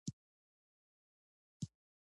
هغه د خپل پلار په مشوره او لارښوونه هر شي عمل کوي